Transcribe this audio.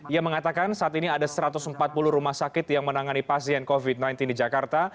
ia mengatakan saat ini ada satu ratus empat puluh rumah sakit yang menangani pasien covid sembilan belas di jakarta